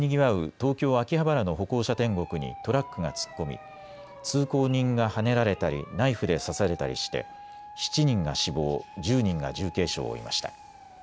東京秋葉原の歩行者天国にトラックが突っ込み通行人がはねられたりナイフで刺されたりして７人が死亡、１０人が重軽傷を負いました。